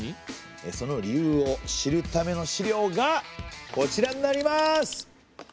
その理由を知るための資料がこちらになります。